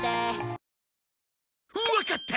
わかった！